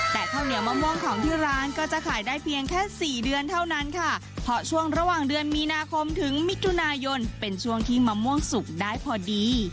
แต่ข้าวเหนียวมะม่วงของที่ร้านก็จะขายได้เพียงแค่สี่เดือนเท่านั้นค่ะเพราะช่วงระหว่างเดือนมีนาคมถึงมิถุนายนเป็นช่วงที่มะม่วงสุกได้พอดี